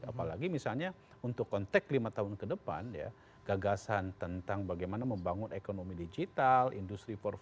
apalagi misalnya untuk konteks lima tahun ke depan ya gagasan tentang bagaimana membangun ekonomi digital industri empat